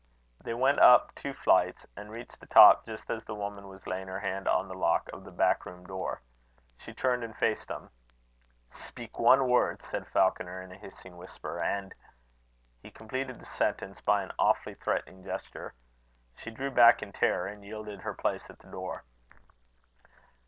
They went up two flights, and reached the top just as the woman was laying her hand on the lock of the back room door. She turned and faced them. "Speak one word," said Falconer, in a hissing whisper, "and " He completed the sentence by an awfully threatening gesture. She drew back in terror, and yielded her place at the door.